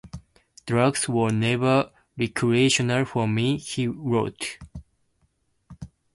"Drugs were never recreational for me," he wrote.